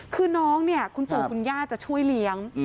คือน้องเนี่ยคุณปู่คุณย่าจะช่วยเลี้ยง